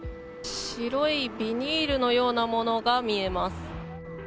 白いビニールのようなものが見えます。